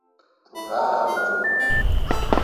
تو غابہ جولون۔